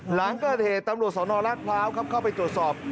หลังเกิดเหตุตำรวจสนราชพร้าวครับเข้าไปตรวจสอบ